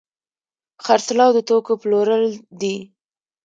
خرڅلاو د توکو پلورل دي.